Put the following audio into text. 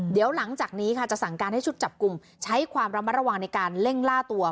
เดี๋ยวหลังจากนี้ค่ะจะสั่งการให้ชุดจับกลุ่มใช้ความระมัดระวังในการเล่งล่าตัว